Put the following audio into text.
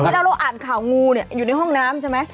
เวลาเราอ่านข่าวงูเนี่ยอยู่ในห้องน้ำใช่ไหม